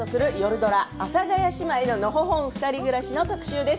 ドラ「阿佐ヶ谷姉妹ののほほんふたり暮らし」の特集です。